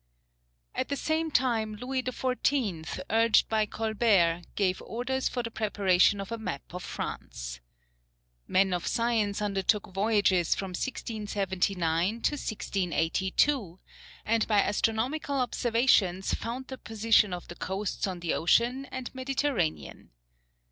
At the same time Louis XIV., urged by Colbert, gave orders for the preparation of a map of France. Men of science undertook voyages from 1679 to 1682, and by astronomical observations found the position of the coasts on the Ocean and Mediterranean.